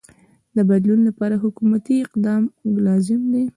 د بدلون لپاره حکومتی اقدام لازم دی.